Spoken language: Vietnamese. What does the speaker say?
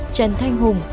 trần thanh hùng